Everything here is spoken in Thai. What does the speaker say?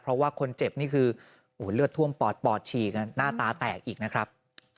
เพราะว่าคนเจ็บนี่คือเลือดท่วมปอดปอดฉีกหน้าตาแตกอีกนะครับ